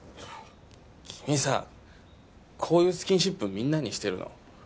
君さこういうスキンシップみんなにしてるの？